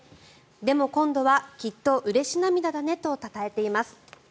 でも、今度はきっとうれし涙だねとたたえています。